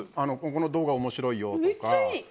この動画、面白いよとか。